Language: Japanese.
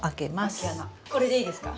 これでいいですか？